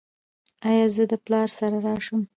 ایا زه له پلار سره راشم؟